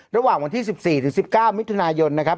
ระหว่างวันที่๑๔ถึง๑๙มิถุนายนนะครับ